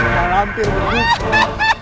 malam pir bener